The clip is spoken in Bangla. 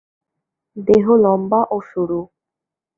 দেহ লম্বা ও সরু।